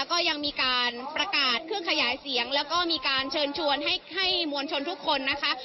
ก็ยังมีการประกาศเครื่องขยายเสียงแล้วก็มีการเชิญชวนให้มวลชนทุกคนนะคะ